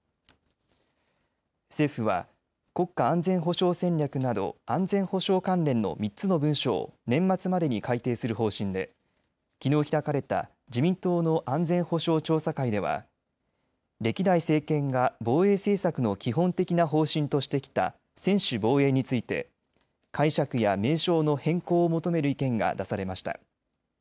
政府は国家安全保障戦略など安全保障関連の３つの文書を年末までに改定する方針できのう開かれた自民党の安全保障調査会では歴代政権が防衛政策の基本的な方針としてきた専守防衛について解釈や名称の変更を求める意見が出されました。